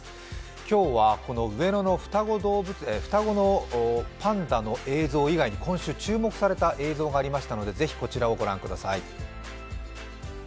今日は上野の双子のパンダの映像以外に今週注目された映像がありましたので、ぜひこちらを御覧ください。